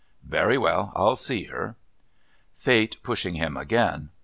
"Very well. I'll see her." Fate pushing him again.